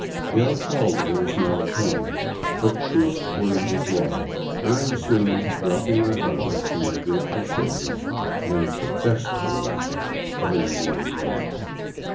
The alcalde was not at home, but the priest's word was law, and I was soon dropping my bundle from my grateful shoulders in the " best room " of an Indian dwelling.